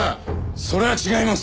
それは違います！